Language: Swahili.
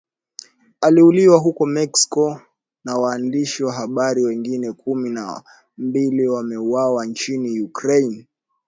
aliuliwa huko Mexico na waandishi wa habari wengine kumi na mbili wameuawa nchini Ukraine